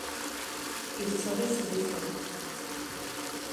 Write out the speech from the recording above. Il saurait se défendre.